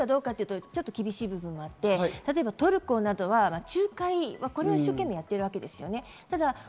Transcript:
傍観してるかどうかは、ちょっと厳しい部分もあって、例えばトルコなどは、仲介を一生懸命やってるわけですよね。